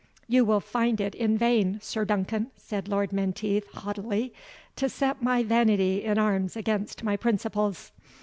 "You will find it in vain, Sir Duncan," said Lord Menteith, haughtily, "to set my vanity in arms against my principles.